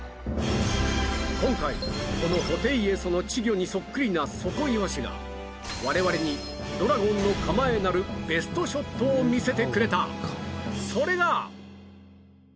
今回このホテイエソの稚魚にそっくりなソコイワシがわれわれに「ドラゴンの構え」なるベストショットを見せてくれたそれが！